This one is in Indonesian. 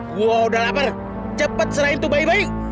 gua udah lapar cepet serahin tuh bayi bayi